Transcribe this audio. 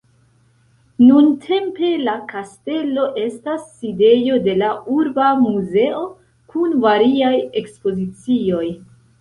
Nuntempe la kastelo estas sidejo de la urba muzeo kun variaj ekspozicioj.